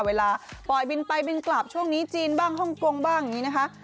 เวลาปล่อยบินไปบินกลับช่วงนี้จีนบ้างฮ่องกงบ้างอย่างนี้นะคะ